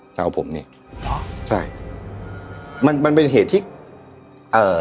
จะเอาผมเนี้ยเหรอใช่มันมันเป็นเหตุที่เอ่อ